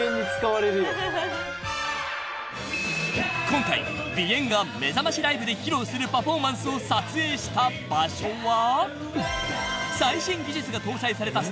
［今回「美炎−ＢＩＥＮ−」がめざましライブで披露するパフォーマンスを撮影した場所は］